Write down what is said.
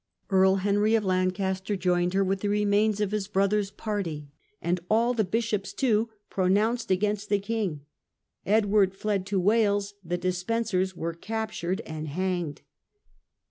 Earl Henry of Lancaster joined her with the remains of his brother's party, and all the bishops, too, pronounced against the king. Edward fled to Wales. The Despen sers were captured and hanged.